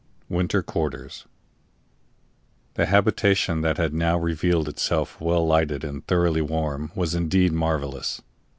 WINTER QUARTERS The habitation that had now revealed itself, well lighted and thoroughly warm, was indeed marvelous.